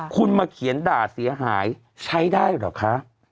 คุณมาเขียนด่าเสียหายใช้ได้เหรอคะ